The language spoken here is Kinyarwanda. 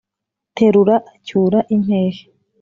terura acyura impehe,